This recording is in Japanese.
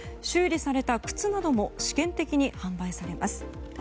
修理された靴なども試験的に販売されます。